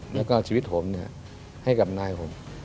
แล้วก็ชีวิตผมให้กับนายผม